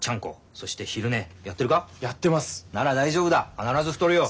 必ず太るよ。